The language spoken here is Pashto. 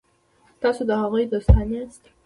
تاسي د هغوی دوستان یاست.